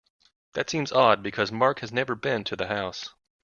That seems odd because Mark has never been to the house.